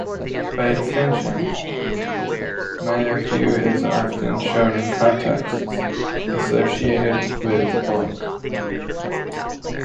By extension, Mayahuel is often shown in contexts associated with pulque.